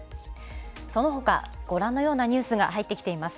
その他、ご覧のニュースが入ってきています。